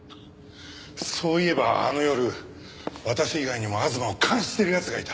そういえばあの夜私以外にも吾妻を監視してる奴がいた。